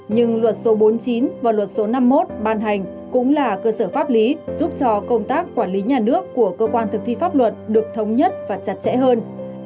nhưng luật số bốn mươi chín và luật số năm mươi một ban hành cũng là cơ sở pháp lý giúp cho công tác quản lý nhà nước của cơ quan thực thi pháp luật được thống nhất và chặt chẽ hơn